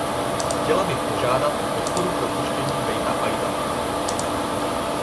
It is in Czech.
Chtěla bych požádat o podporu propuštění Dawita Isaaka.